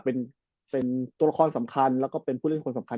เป็นตัวละครสำคัญแล้วก็เป็นผู้เล่นคนสำคัญ